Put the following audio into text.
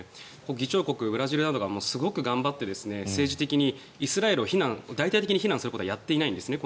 議長国ブラジルなどがすごく頑張って政治的にイスラエルを大々的に非難することはやってないんですね